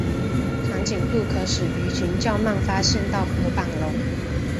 长颈部可使鱼群较慢发现到薄板龙。